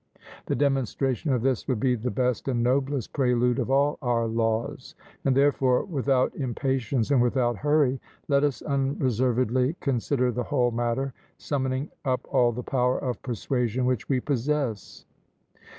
The demonstration of this would be the best and noblest prelude of all our laws. And therefore, without impatience, and without hurry, let us unreservedly consider the whole matter, summoning up all the power of persuasion which we possess.